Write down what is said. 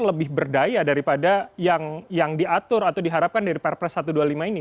lebih berdaya daripada yang diatur atau diharapkan dari perpres satu ratus dua puluh lima ini